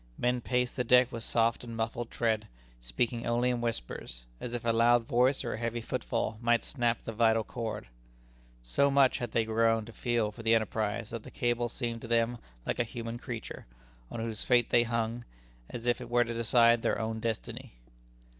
Men paced the deck with soft and muffled tread, speaking only in whispers, as if a loud voice or a heavy footfall might snap the vital cord. So much had they grown to feel for the enterprise, that the cable seemed to them like a human creature, on whose fate they hung, as if it were to decide their own destiny.